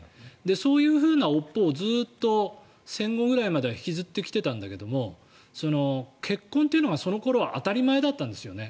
そういうふうな尾っぽをずっと戦後ぐらいまでは引きずってきていたんだけど結婚というのが、その頃は当たり前だったんですよね。